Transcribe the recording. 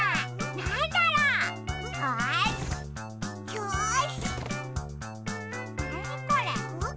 なにこれ？